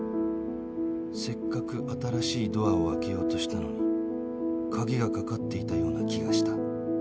せっかく新しいドアを開けようとしたのに鍵が掛かっていたような気がした